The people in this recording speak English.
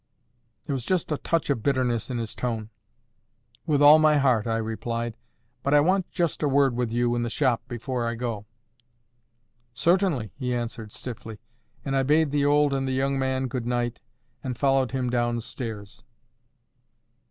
There was just a touch of bitterness in his tone. "With all my heart," I replied. "But I want just a word with you in the shop before I go." "Certainly," he answered, stiffly; and I bade the old and the young man good night, and followed him down stairs.